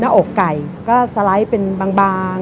ภาพมันเขียวเป็นครั้งหนึ่ง